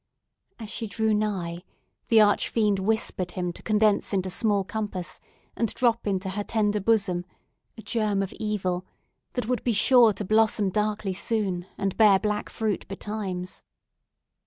As she drew nigh, the arch fiend whispered him to condense into small compass, and drop into her tender bosom a germ of evil that would be sure to blossom darkly soon, and bear black fruit betimes.